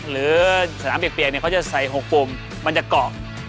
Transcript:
หรือสนามเปียกเขาจะใส่๖ปุ่มมันจะเกาะ